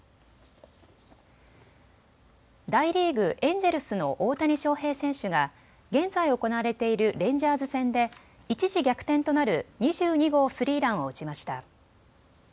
大リーグ、エンジェルスの大谷翔平選手が現在行われているレンジャーズ戦で一時、逆転となる２２号スリーランを打ちました。